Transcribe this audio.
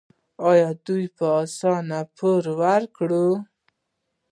آیا دوی په اسانۍ پور ورکوي؟